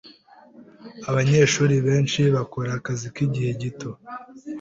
Abanyeshuri benshi bakora akazi k'igihe gito.